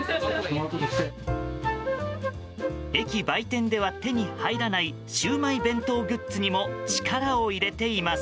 駅売店では手に入らないシウマイ弁当グッズにも力を入れています。